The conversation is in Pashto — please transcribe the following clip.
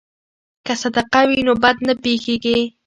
که صدقه وي نو بد نه پیښیږي.